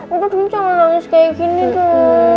udah dunia jangan nangis kayak gini tuh